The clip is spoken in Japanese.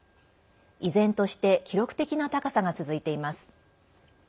依然として記録的な高さが続いています。